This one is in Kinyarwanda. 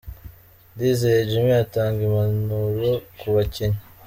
Ndizeye Jimmy atanga impanuro ku bakinnyi.